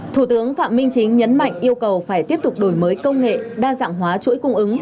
thủ tướng phạm minh chính nhấn mạnh yêu cầu phải tiếp tục đổi mới công nghệ đa dạng hóa chuỗi cung ứng